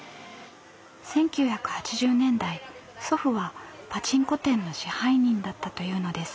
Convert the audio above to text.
１９８０年代祖父はパチンコ店の支配人だったというのです。